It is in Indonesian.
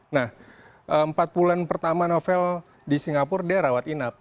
nah empat bulan pertama novel di singapura dia rawat inap